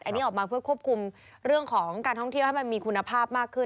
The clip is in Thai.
อันนี้ออกมาเพื่อควบคุมเรื่องของการท่องเที่ยวให้มันมีคุณภาพมากขึ้น